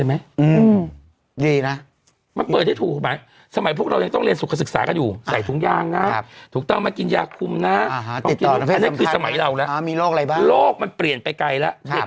เมื่อสิ้นประชุมเสร็จแล้วเนี่ยนะครับ